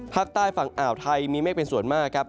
ภาคใต้ฝั่งอ่าวไทยมีเมฆเป็นส่วนมากครับ